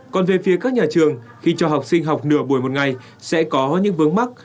còn về phía các nhà trường khi cho học sinh học nửa buổi một ngày sẽ có những vướng mắt